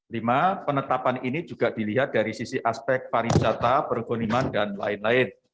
lima penetapan ini juga dilihat dari sisi aspek pariwisata pergoniman dan lain lain